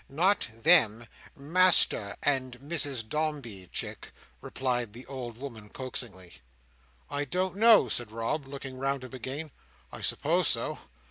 "Not them—Master and Mrs Dombey, chick," replied the old woman, coaxingly. "I don't know," said Rob, looking round him again. "I suppose so.